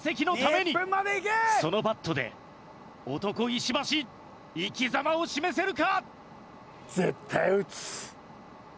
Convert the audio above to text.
そのバットで男石橋生き様を示せるか？